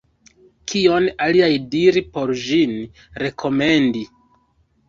Kion alian diri por ĝin rekomendi?